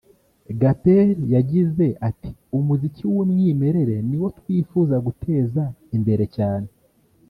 Gaperi yagize ati “Umuziki w’umwimerere niwo twifuza guteza imbere cyane